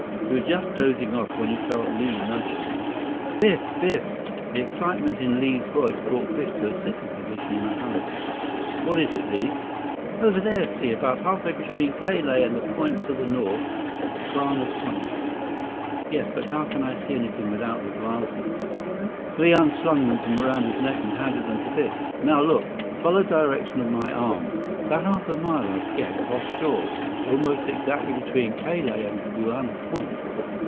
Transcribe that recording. He was just dozing off when he felt Li nudge him. 133 "Biff! Biff!" The excitement in Li's voice brought Biff to a sitting position in a hurry. "What is it, Li?" "Over there, see? About halfway between Ka Lae and that point to the north—Kauna Point." "Yes. But how can I see anything without the glasses?" Li unslung them from around his neck and handed them to Biff. "Now, look. Follow the direction of my arm. About half a mile, I'd guess, off shore. Almost exactly between Ka Lae and Kauna Point."